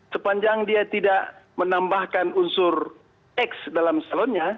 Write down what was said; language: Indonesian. sepanjang dia tidak menambahkan unsur x dalam calonnya